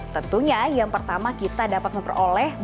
tentunya yang pertama kita dapat memperoleh bentuk fisik emas